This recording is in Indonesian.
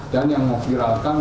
dan yang memviralkan